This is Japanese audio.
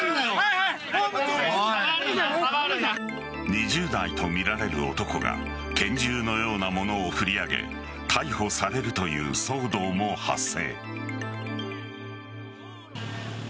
２０代とみられる男が拳銃のようなものを振り上げ逮捕されるという騒動も発生。